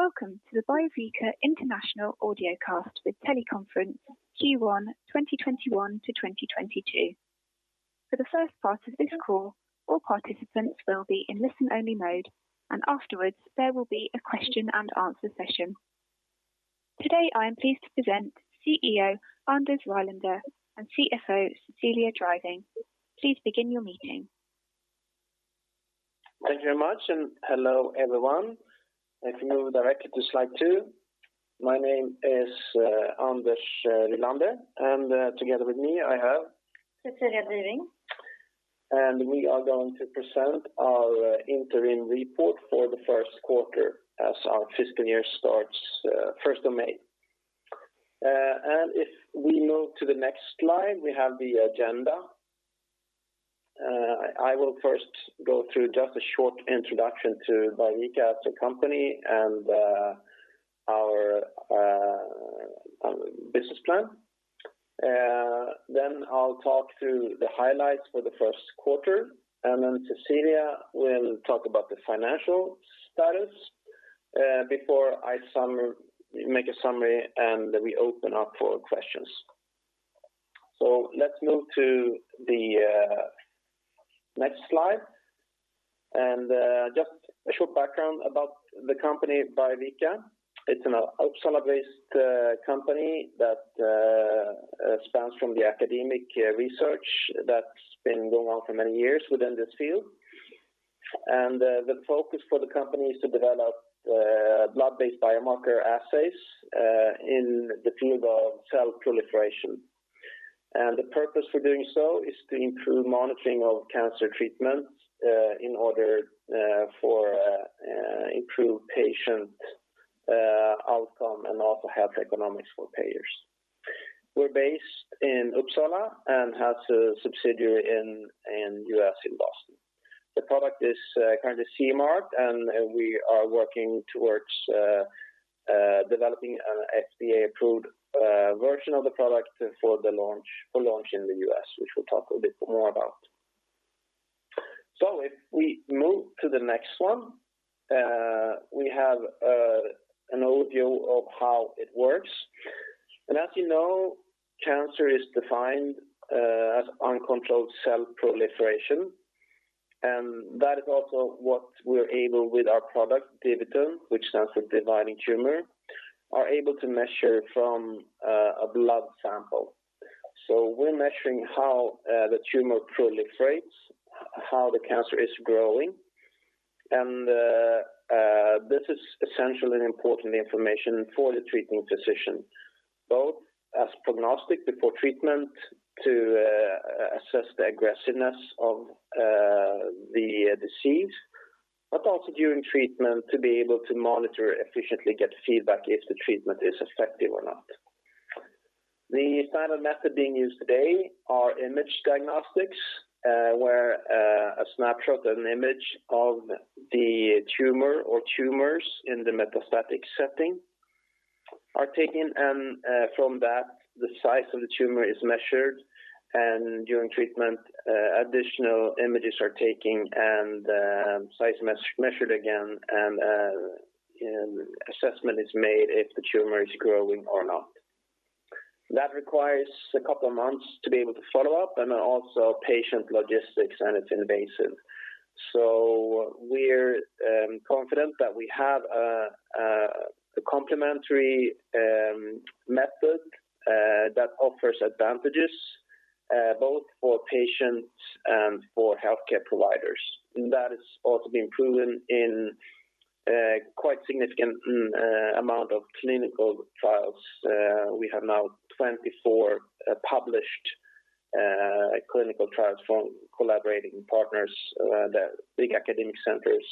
Welcome to the Biovica International Audiocast with Teleconference Q1 2021 to 2022. For the first part of this call, all participants will be in listen-only mode, and afterwards there will be a question and answer session. Today, I am pleased to present CEO Anders Rylander and CFO Cecilia Driving. Please begin your meeting. Thank you very much, and hello everyone. If you move directly to slide 2. My name is Anders Rylander, and together with me I have Cecilia Driving. We are going to present our interim report for the 1st quarter as our fiscal year starts 1st of May. If we move to the next slide, we have the agenda. I will first go through just a short introduction to Biovica as a company and our business plan. I'll talk through the highlights for the 1st quarter, and then Cecilia will talk about the financial status, before I make a summary and we open up for questions. Let's move to the next slide. Just a short background about the company, Biovica. It's an Uppsala-based company that spans from the academic research that's been going on for many years within this field. The focus for the company is to develop blood-based biomarker assays in the field of cell proliferation. The purpose for doing so is to improve monitoring of cancer treatment in order for improved patient outcome and also health economics for payers. We're based in Uppsala and have a subsidiary in U.S., in Boston. The product is currently CE Mark, and we are working towards developing an FDA-approved version of the product for launch in the U.S., which we'll talk a bit more about. If we move to the next one, we have an overview of how it works. As you know, cancer is defined as uncontrolled cell proliferation. That is also what we're able, with our product DiviTum, which stands for dividing tumor, are able to measure from a blood sample. We're measuring how the tumor proliferates, how the cancer is growing. This is essentially important information for the treating physician, both as prognostic before treatment to assess the aggressiveness of the disease, but also during treatment to be able to monitor efficiently, get feedback if the treatment is effective or not. The standard method being used today are image diagnostics, where a snapshot, an image of the tumor or tumors in the metastatic setting are taken, and from that, the size of the tumor is measured. During treatment, additional images are taken and size measured again, and an assessment is made if the tumor is growing or not. That requires a couple of months to be able to follow up, and also patient logistics, and it's invasive. We're confident that we have a complementary method that offers advantages both for patients and for healthcare providers. That has also been proven in quite significant amount of clinical trials. We have now 24 published clinical trials from collaborating partners, the big academic centers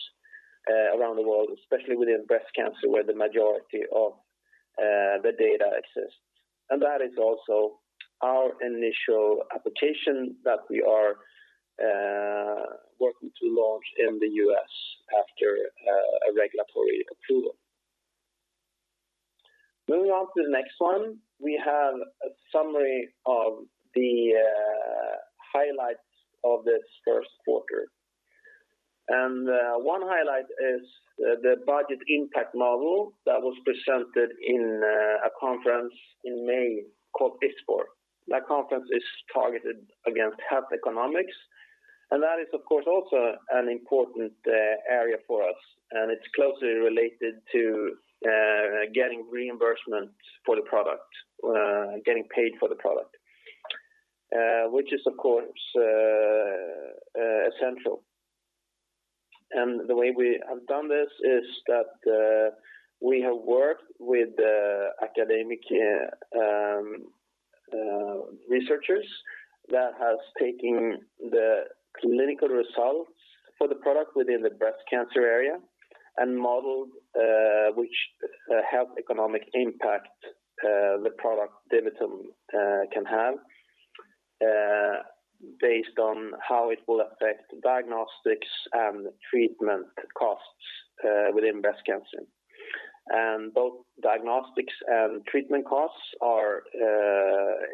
around the world, especially within breast cancer, where the majority of the data exists. That is also our initial application that we are working to launch in the U.S. after a regulatory approval. Moving on to the next one, we have a summary of the highlights of this first quarter. One highlight is the budget impact model that was presented in a conference in May called ISPOR. That conference is targeted against health economics, and that is, of course, also an important area for us, and it's closely related to getting reimbursement for the product, getting paid for the product, which is, of course, essential. The way we have done this is that we have worked with academic researchers that has taken the clinical results for the product within the breast cancer area and modeled which health economic impact the product DiviTum can have based on how it will affect diagnostics and treatment costs within breast cancer. Both diagnostics and treatment costs are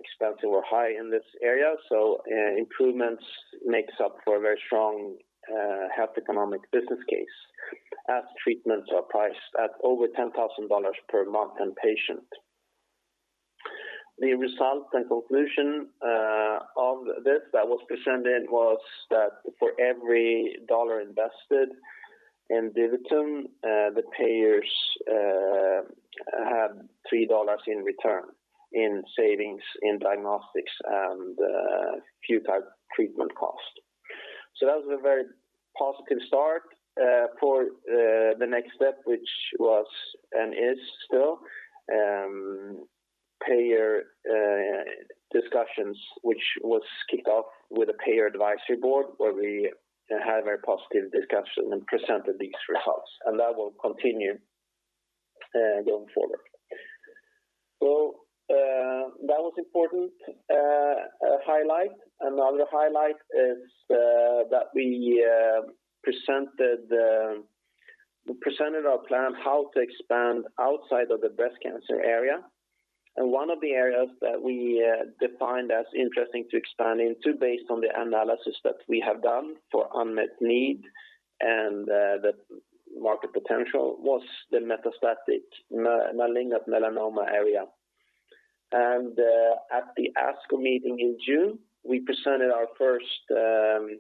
expensive or high in this area. Improvements makes up for a very strong health economic business case, as treatments are priced at over $10,000 per month and patient. The result and conclusion of this that was presented was that for every $1 invested in DiviTum, the payers had $3 in return in savings in diagnostics and futile treatment cost. That was a very positive start for the next step, which was and is still payer discussions, which was kicked off with a payer advisory board, where we had a very positive discussion and presented these results. That will continue going forward. That was important highlight. Another highlight is that we presented our plan how to expand outside of the breast cancer area. One of the areas that we defined as interesting to expand into based on the analysis that we have done for unmet need and the market potential was the metastatic malignant melanoma area. At the ASCO meeting in June, we presented our first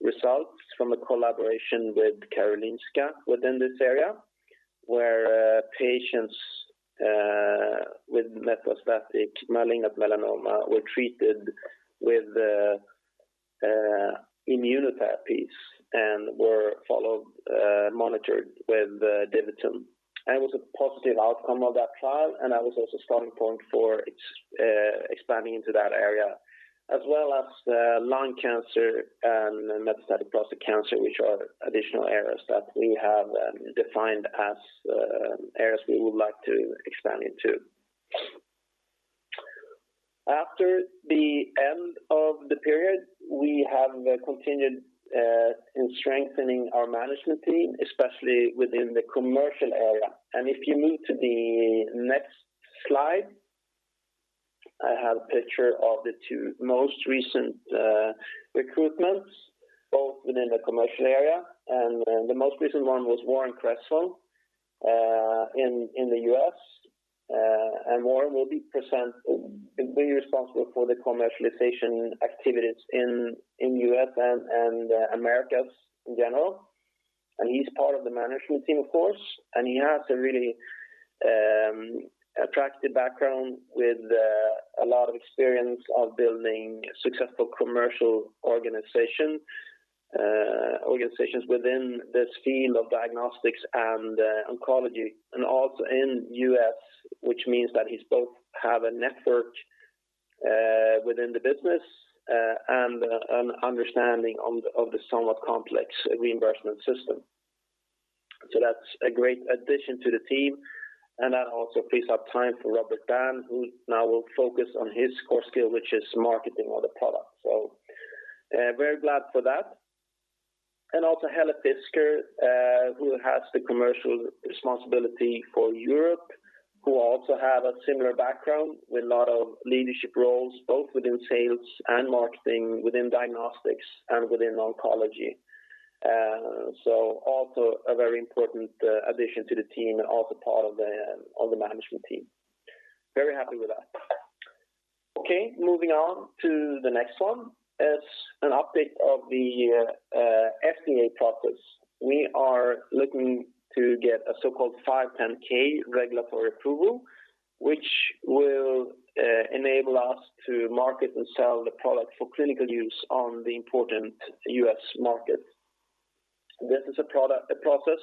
results from a collaboration with Karolinska within this area, where patients with metastatic malignant melanoma were treated with immunotherapies and were followed, monitored with DiviTum. It was a positive outcome of that trial, and that was also a starting point for expanding into that area, as well as lung cancer and metastatic prostate cancer, which are additional areas that we have defined as areas we would like to expand into. After the end of the period, we have continued in strengthening our management team, especially within the commercial area. If you move to the next slide, I have a picture of the two most recent recruitments, both within the commercial area. The most recent one was Warren Cresswell in the U.S. Warren will be responsible for the commercialization activities in U.S. and Americas in general. He's part of the management team, of course, and he has a really attractive background with a lot of experience of building successful commercial organizations within this field of diagnostics and oncology, and also in U.S., which means that he's both have a network within the business and an understanding of the somewhat complex reimbursement system. That's a great addition to the team. That also frees up time for Robert Dann, who now will focus on his core skill, which is marketing of the product. Very glad for that. Also Helle Fisker, who has the commercial responsibility for Europe, who also have a similar background with a lot of leadership roles, both within sales and marketing, within diagnostics and within oncology. Also a very important addition to the team and also part of the management team. Very happy with that. Moving on to the next one is an update of the FDA process. We are looking to get a so-called 510(k) regulatory approval, which will enable us to market and sell the product for clinical use on the important U.S. market. This is a process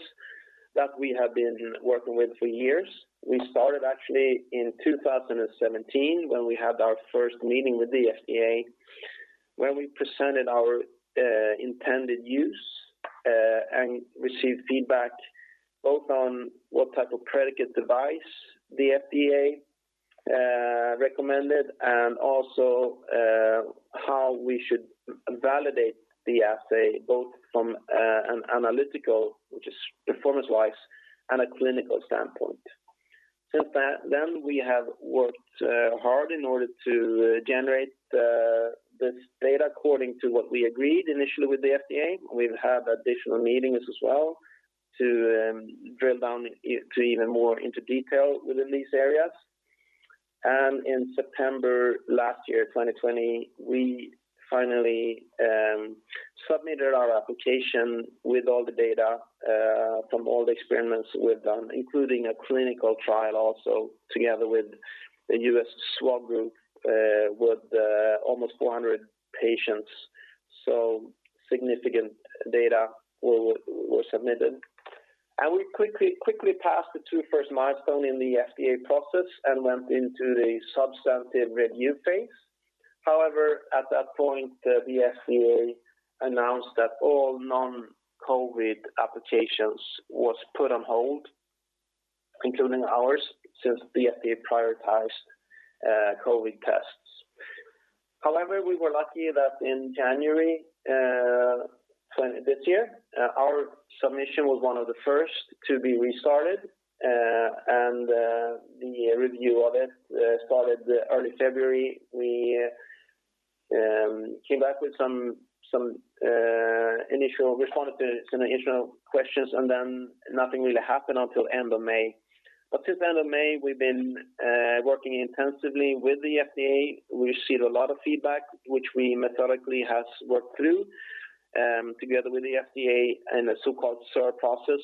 that we have been working with for years. We started actually in 2017 when we had our first meeting with the FDA, when we presented our intended use and received feedback both on what type of predicate device the FDA recommended and also how we should validate the assay, both from an analytical, which is performance-wise, and a clinical standpoint. Since then, we have worked hard in order to generate this data according to what we agreed initially with the FDA. We've had additional meetings as well to drill down to even more into detail within these areas. In September last year, 2020, we finally submitted our application with all the data from all the experiments we've done, including a clinical trial also together with the US SWOG group with almost 100 patients. Significant data were submitted. We quickly passed the two first milestones in the FDA process and went into the substantive review phase. However, at that point, the FDA announced that all non-COVID applications was put on hold, including ours, since the FDA prioritized COVID tests. However, we were lucky that in January this year, our submission was one of the first to be restarted, and the review of it started early February. We responded to some initial questions, and then nothing really happened until end of May. Since end of May, we've been working intensively with the FDA. We've received a lot of feedback, which we methodically have worked through, together with the FDA in a so-called SUR process,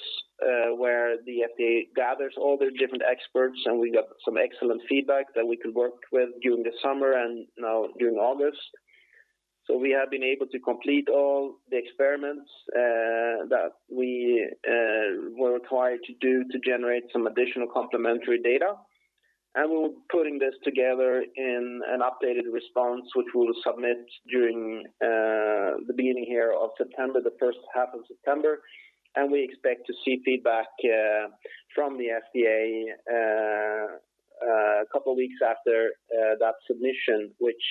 where the FDA gathers all their different experts, we got some excellent feedback that we could work with during the summer and now during August. We have been able to complete all the experiments that we were required to do to generate some additional complementary data. We're putting this together in an updated response, which we'll submit during the beginning here of September, the first half of September. We expect to see feedback from the FDA 2 weeks after that submission, which,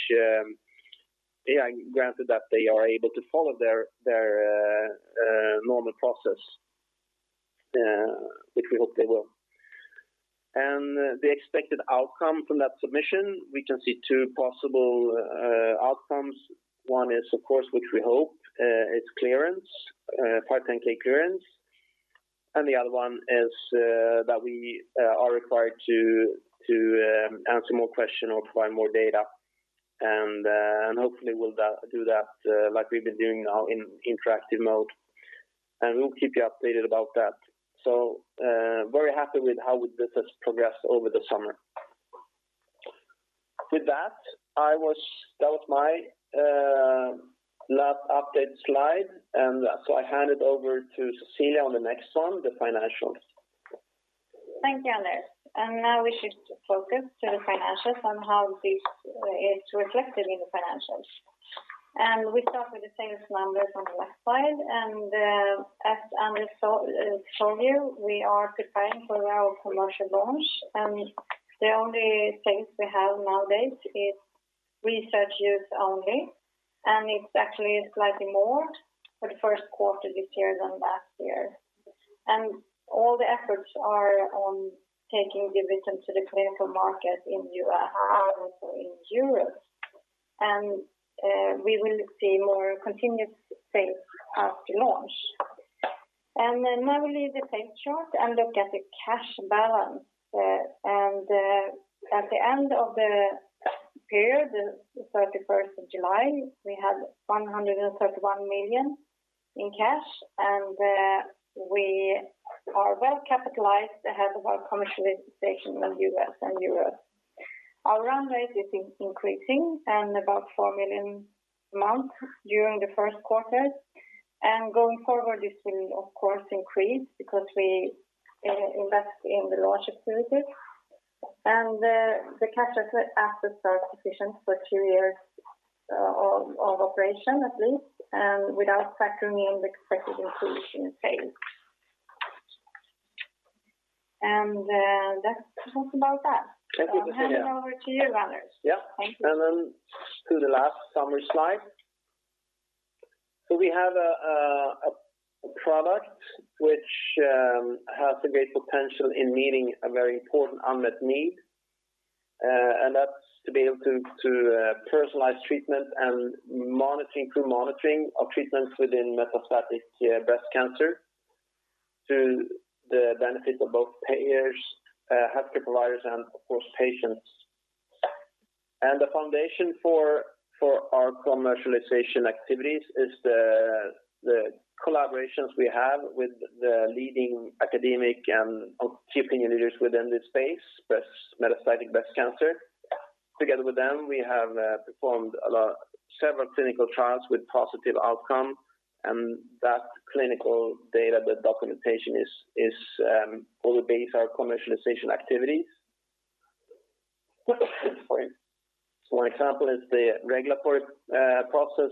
granted that they are able to follow their normal process, which we hope they will. The expected outcome from that submission, we can see two possible outcomes. 1 is, of course, which we hope, is clearance, 510K clearance. The other one is that we are required to answer more question or provide more data. Hopefully we'll do that like we've been doing now in interactive mode. We'll keep you updated about that. Very happy with how this has progressed over the summer. With that was my last update slide, I hand it over to Cecilia on the next one, the financials. Thank you, Anders. Now we should focus on the financials and how this is reflected in the financials. We start with the sales numbers on the left side. As Anders showed you, we are preparing for our commercial launch. The only sales we have nowadays is Research Use Only, and it's actually slightly more for the 1st quarter this year than last year. All the efforts are on taking DiviTum to the clinical market in the U.S. and also in Europe. We will see more continuous sales after launch. Now we leave the sales chart and look at the cash balance. At the end of the period, the 31st of July, we had 131 million in cash, and we are well capitalized ahead of our commercialization in the U.S. and Europe. Our run rate is increasing about 4 million a month during the first quarter. Going forward, this will of course increase because we invest in the launch activities. The cash assets are sufficient for two years of operation, at least, and without factoring in the expected increase in sales. That's about that. Thank you, Cecilia. I'll hand it over to you, Anders. Yeah. Thank you. To the last summary slide. We have a product which has a great potential in meeting a very important unmet need. That's to be able to personalize treatment and through monitoring of treatments within metastatic breast cancer to the benefit of both payers, healthcare providers, and, of course, patients. The foundation for our commercialization activities is the collaborations we have with the leading academic and key opinion leaders within this space, metastatic breast cancer. Together with them, we have performed several clinical trials with positive outcome, and that clinical data, the documentation will base our commercialization activities. One example is the regulatory process,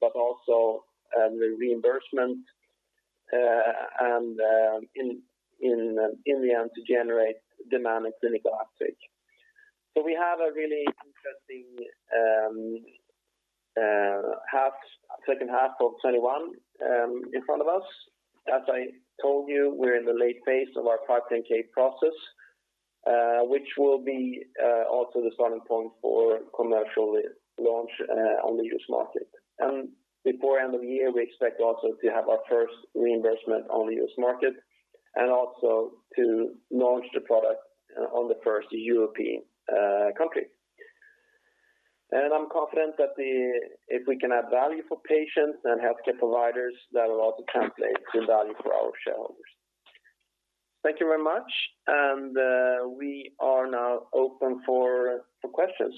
but also the reimbursement, and in the end, to generate demand and clinical uptake. We have a really interesting second half of 2021 in front of us. As I told you, we're in the late phase of our 510(k) process, which will be also the starting point for commercial launch on the U.S. market. Before end of year, we expect also to have our first reimbursement on the U.S. market and also to launch the product on the first European country. I'm confident that if we can add value for patients and healthcare providers, that will also translate to value for our shareholders. Thank you very much, and we are now open for questions.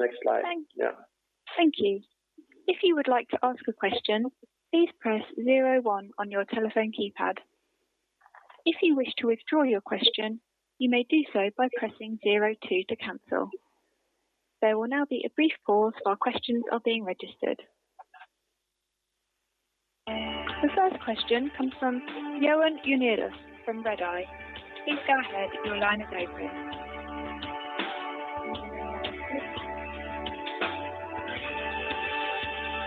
Next slide. Thank you. If you would like to ask question, please press zero one on your telephone keypad. If you would which to withdraw your questions you may do so by pressing zero two to cancel. There will now be a brief pause for question of been registered. The first question comes from Johan Unelius from Redeye. Please go ahead. Your line is open.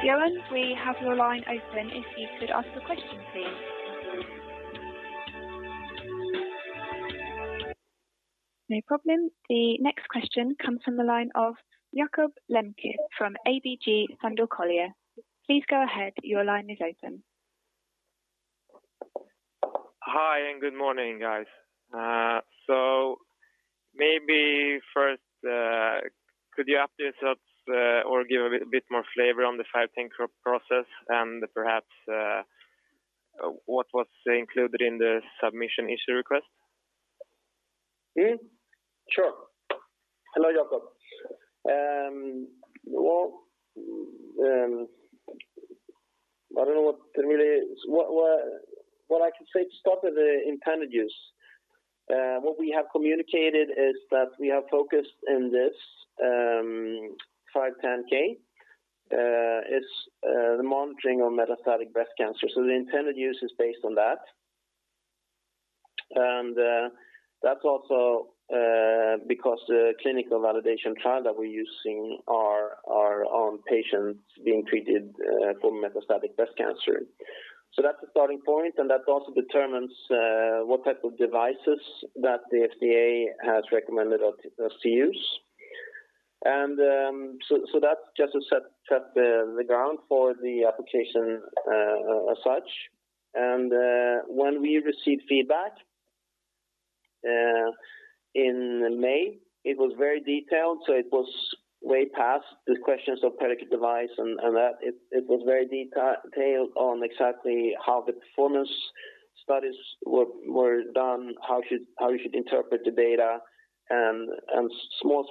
Johan, we have your line open if you could ask your question, please. No problem. The next question comes from the line of Jakob Lembke from ABG Sundal Collier. Please go ahead. Your line is open. Hi, good morning, guys. Maybe first, could you update us or give a bit more flavor on the 510 process and perhaps what was included in the submission issue request? Sure. Hello, Jakob. I don't know what I can say to start with the intended use. What we have communicated is that we are focused in this 510(k). It's the monitoring of metastatic breast cancer. The intended use is based on that. That's also because the clinical validation trial that we're using are on patients being treated for metastatic breast cancer. That's a starting point, and that also determines what type of devices that the FDA has recommended us to use. That's just to set the ground for the application as such. When we received feedback in May, it was very detailed, so it was way past the questions of predicate device and that. It was very detailed on exactly how the performance studies were done, how you should interpret the data, and small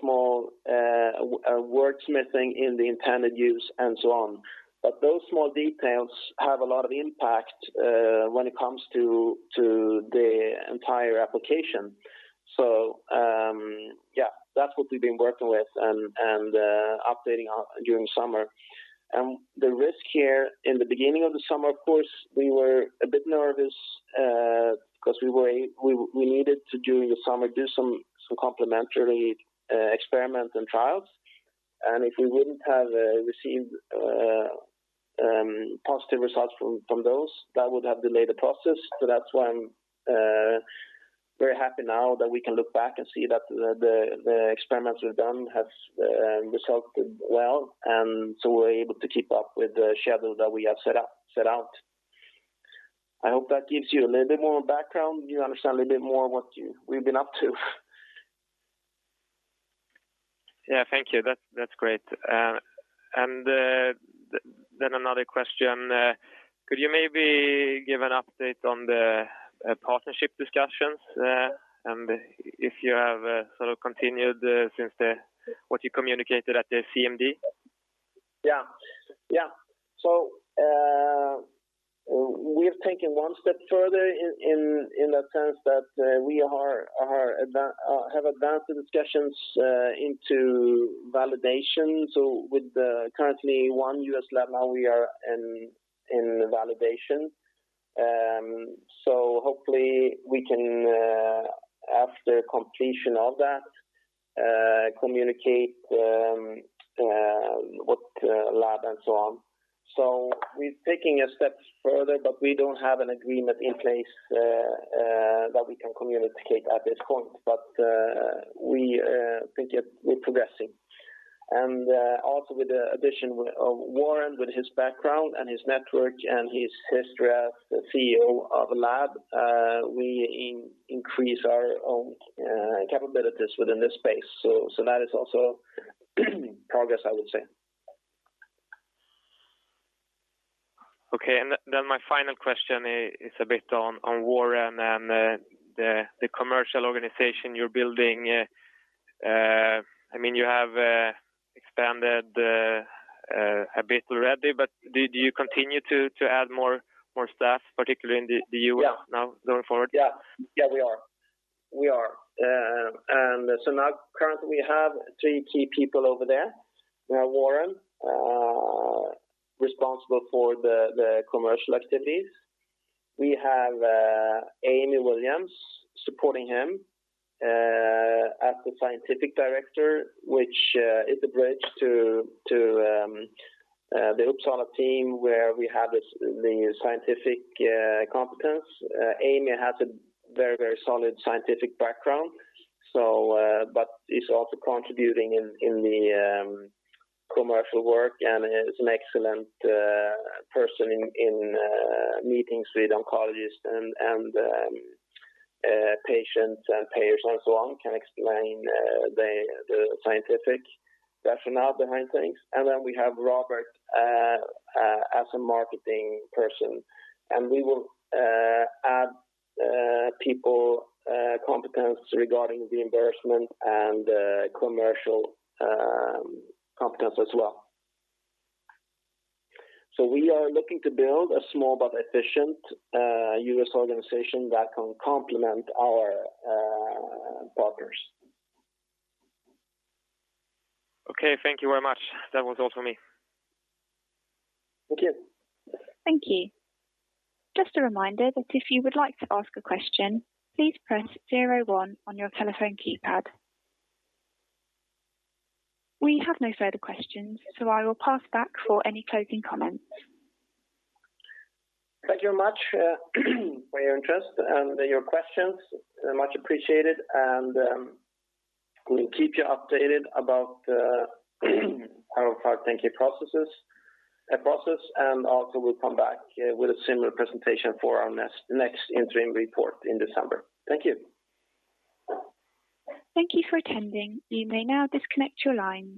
wordsmithing in the intended use and so on. Those small details have a lot of impact when it comes to the entire application. Yeah, that's what we've been working with and updating during summer. The risk here in the beginning of the summer, of course, we were a bit nervous, because we needed to during the summer, do some complementary experiments and trials, and if we wouldn't have received positive results from those, that would have delayed the process. That's why I'm very happy now that we can look back and see that the experiments we've done have resulted well, and so we're able to keep up with the schedule that we have set out. I hope that gives you a little bit more background. You understand a little bit more what we've been up to. Yeah, thank you. That is great. Another question. Could you maybe give an update on the partnership discussions and if you have sort of continued since what you communicated at the CMD. We have taken one step further in the sense that we have advanced the discussions into validation. With currently one U.S. lab now we are in validation. Hopefully we can, after completion of that, communicate what lab and so on. We're taking a step further, but we don't have an agreement in place that we can communicate at this point. We're progressing. Also with the addition of Warren, with his background and his network and his history as the CEO of a lab, we increase our own capabilities within this space. That is also progress, I would say. My final question is a bit on Warren and the commercial organization you're building. You have expanded a bit already, do you continue to add more staff, particularly in the U.S. now going forward? We are. Currently we have theeekey people over there. We have Warren, responsible for the commercial activities. We have Amy Williams supporting him, as the scientific director, which is a bridge to the Uppsala team, where we have the scientific competence. Amy has a very solid scientific background, but is also contributing in the commercial work and is an excellent person in meetings with oncologists and patients and payers and so on, can explain the scientific rationale behind things. We have Robert as a marketing person. We will add people competence regarding the reimbursement and commercial competence as well. We are looking to build a small but efficient U.S. organization that can complement our partners. Okay. Thank you very much. That was all for me. Thank you. Thank you. Just to remind you, if you would like to ask a question please press zero one on your telephone keypad. We have no further questions, so I will pass back for any closing comments. Thank you very much for your interest and your questions. Much appreciated. We'll keep you updated about our 510 process. Also we'll come back with a similar presentation for our next interim report in December. Thank you. Thank you for attending. You may now disconnect your lines.